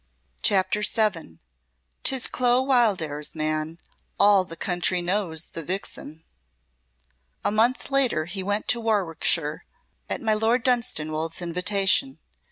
CHAPTER VII "'Tis Clo Wildairs, Man All the County Knows the Vixen." A month later he went to Warwickshire at my Lord Dunstanwolde's invitation.